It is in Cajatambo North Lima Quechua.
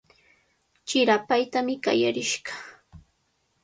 Chirapaytami qallarishqa.